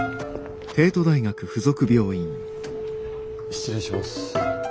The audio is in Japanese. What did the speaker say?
失礼します。